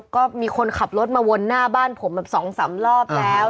ก็มีคนขับรถมาวนหน้าบ้านผมแบบ๒๓รอบแล้ว